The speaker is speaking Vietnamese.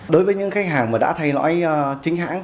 đối với những khách hàng mà đã thay lõi chính hãng